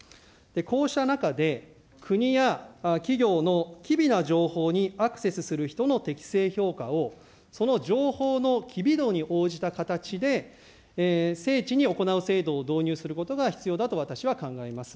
こうした中で、国や企業の機微な情報にアクセスする人の適正評価を、その情報の機微度に応じた形で、精緻に行う制度を導入することが必要だと私は考えます。